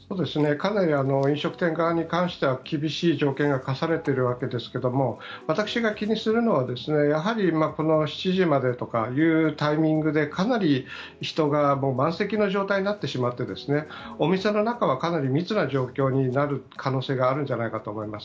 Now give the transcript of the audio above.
かなり飲食店側に関しては厳しい条件が課されているわけですが私が気にするのは、やはり７時までとかいうタイミングでかなり人が満席の状態になってしまってお店の中はかなり密な状況になる可能性があるんじゃないかと思います。